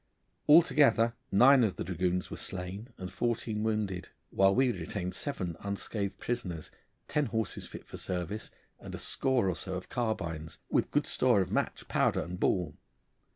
Altogether nine of the dragoons were slain and fourteen wounded, while we retained seven unscathed prisoners, ten horses fit for service, and a score or so of carbines, with good store of match, powder, and ball.